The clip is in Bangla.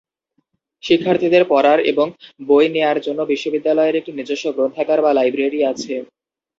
শিক্ষার্থীদের পড়ার এবং বই নেয়ার জন্য বিশ্ববিদ্যালয়ের একটি নিজস্ব গ্রন্থাগার বা লাইব্রেরি আছে।